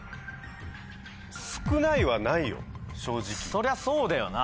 そりゃそうだよな。